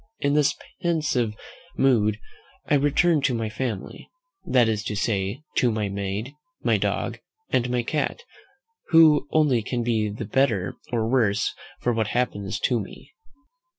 In this pensive mood I return to my family; that is to say, to my maid, my dog, and my cat, who only can be the better or worse for what happens to me.